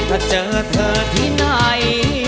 ถ้าเจอเธอที่ไหน